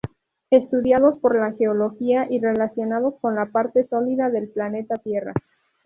Estudiados por la geología, y relacionados con la parte sólida del planeta Tierra.